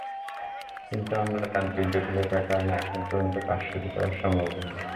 কিন্তু আমলাতান্ত্রিক জটিলতার কারণে এখন পর্যন্ত কাজ শুরু করা সম্ভব হয়নি।